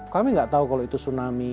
kami nggak tahu kalau itu tsunami